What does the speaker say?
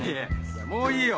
もういいよ！